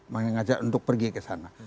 mengenang aja untuk pergi ke sana